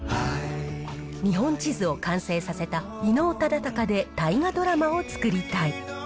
日本地図を完成させた伊能忠敬で大河ドラマを作りたい。